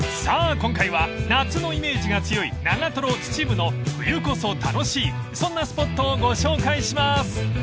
今回は夏のイメージが強い長瀞秩父の冬こそ楽しいそんなスポットをご紹介します］